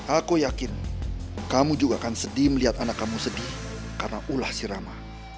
aku yakin kamu juga akan sedih melihat anak kamu sedih karena ulah sirama